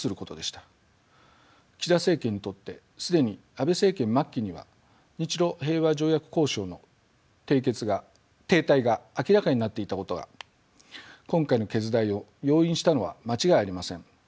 岸田政権にとって既に安倍政権末期には日ロ平和条約交渉の停滞が明らかになっていたことが今回の決断を容易にしたのは間違いありません。